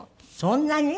そんなに？